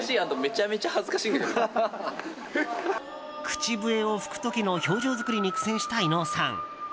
口笛を吹く時の表情作りに苦戦した伊野尾さん。